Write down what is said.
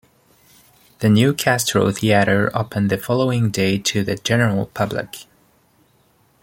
The new Castro Theatre opened the following day to the general public.